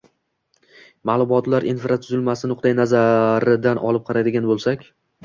Maʼlumotlar infratuzilmasi nuqtayi nazaridan olib qaraydigan boʻlsak